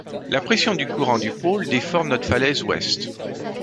La pression du courant du pôle déforme notre falaise ouest.